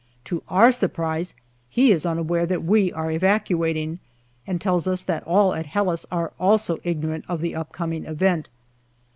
To our surprise he is unaware that we are evacuating, and tells us that all at Helles are also ignorant of the coming event.